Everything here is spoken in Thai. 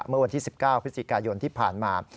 เมื่อวันที่๑๙พฤศจิกายนที่ผ่านมา